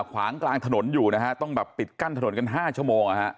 ขวางกลางถนนอยู่นะฮะต้องแบบปิดกั้นถนนกัน๕ชั่วโมง